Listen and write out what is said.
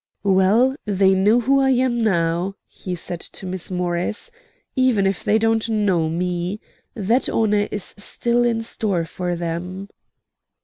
"Well, they know who I am now," he said to Miss Morris, "even if they don't know me. That honor is still in store for them."